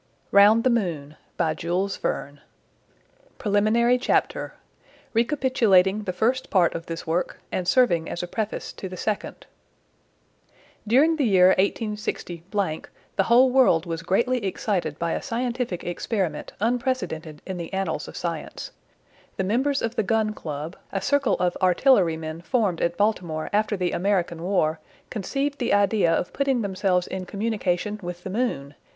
ROUND THE MOON A SEQUEL TO FROM THE EARTH TO THE MOON PRELIMINARY CHAPTER THE FIRST PART OF THIS WORK, AND SERVING AS A PREFACE TO THE SECOND During the year 186 , the whole world was greatly excited by a scientific experiment unprecedented in the annals of science. The members of the Gun Club, a circle of artillerymen formed at Baltimore after the American war, conceived the idea of putting themselves in communication with the moon!